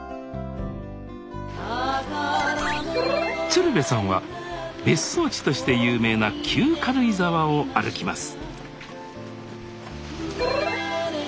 鶴瓶さんは別荘地として有名な旧軽井沢を歩きます